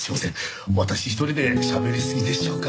私一人でしゃべりすぎでしょうか。